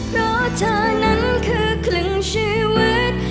เพราะเธอนั้นคือครึ่งชีวิต